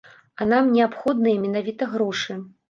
А нам неабходныя менавіта грошы.